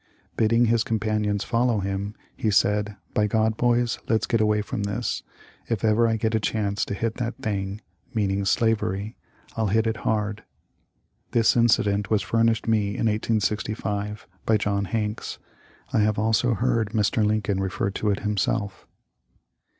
Bidding his companions, follow him he said, " By God, boys, let's get away from this. If ever I get a chance to hit that thing [meaning slavery], I'll hit it hard." This incident was furnished me in 1865, by John Hanks. I have also heard Mr. Lincoln refer to it himself.